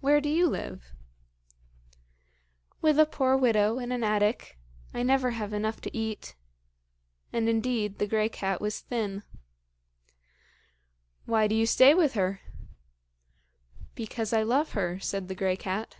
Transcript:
Where do you live?" "With a poor widow, in an attic. I never have enough to eat." And, indeed, the grey cat was thin. "Why do you stay with her?" "Because I love her," said the grey cat.